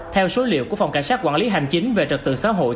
theo số liệu của phòng cảnh sát quản lý hành chính về trật tự xã hội